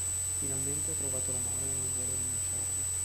Finalmente ha trovato l'amore e non vuole rinunciarvi.